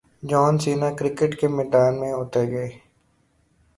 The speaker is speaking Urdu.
جان سینا کرکٹ کے میدان میں اتر گئے